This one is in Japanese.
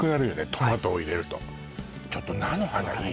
トマトを入れるとちょっと菜の花いい？